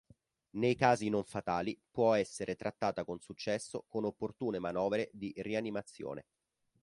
Nei casi non fatali può essere trattata con successo con opportune manovre di rianimazione.